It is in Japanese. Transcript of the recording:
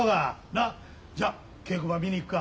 な？じゃ稽古場見に行くか。